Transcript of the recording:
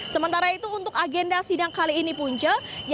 sementara itu untuk agenda sidang kali ini punca